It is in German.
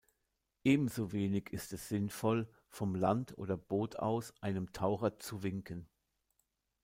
Ebenso wenig ist es sinnvoll, vom Land oder Boot aus einem Taucher zu winken.